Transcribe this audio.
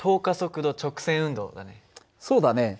そうだね。